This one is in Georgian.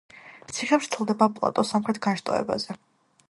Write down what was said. ციხე ვრცელდება პლატოს სამხრეთ განშტოებაზე.